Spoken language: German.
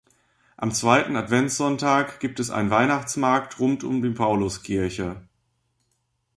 Am zweiten Adventssonntag gibt es einen Weihnachtsmarkt rund um die Paulus-Kirche.